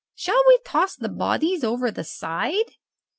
Shall we toss the bodies over the side?"